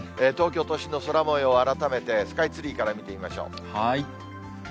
東京都心の空もよう、改めてスカイツリーから見てみましょう。